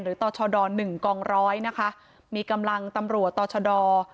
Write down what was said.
ต่อชดหนึ่งกองร้อยนะคะมีกำลังตำรวจต่อชะดอ